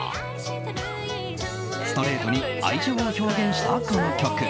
ストレートに愛情を表現したこの曲。